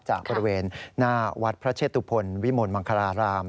จากบริเวณหน้าวัดพระเชตุพลวิมลมังคลาราม